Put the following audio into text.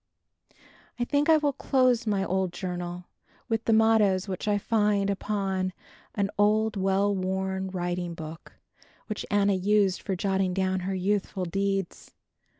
I think I will close my old journal with the mottoes which I find upon an old well worn writing book which Anna used for jotting down her youthful deeds.